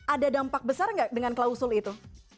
ada dampak besar nggak dengan klausul itu